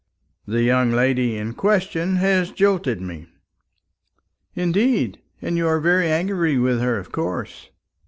"The young lady in question has jilted me." "Indeed! And you are very angry with her, of course?"